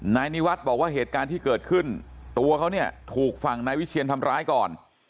นายนิวัฒน์บอกว่าเหตุการณ์ที่เกิดขึ้นตัวเขาเนี่ยถูกฝั่งนายวิเชียนทำร้ายก่อน